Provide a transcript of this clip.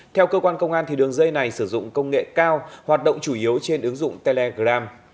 theo cơ quan công an đường dây này sử dụng công nghệ cao hoạt động chủ yếu trên ứng dụng telegram